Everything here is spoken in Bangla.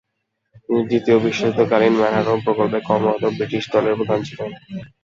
তিনি দ্বিতীয় বিশ্বযুদ্ধকালীন ম্যানহাটন প্রকল্পে কর্মরত ব্রিটিশ দলের প্রধান ছিলেন।